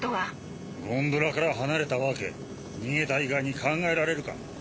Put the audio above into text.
ゴンドラから離れた訳逃げた以外に考えられるか。